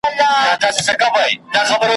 خو دا یو هم زموږ د عمر سرمنزل نه سي ټاکلای `